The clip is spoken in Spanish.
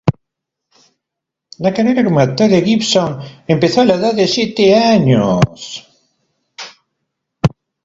La carrera como actor de Gibson empezó a la edad de siete años.